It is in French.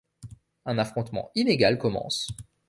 Un affrontement inégal commence.